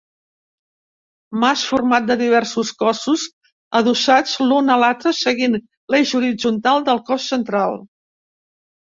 Mas format de diversos cossos adossats l'un a l'altre seguint l'eix horitzontal del cos central.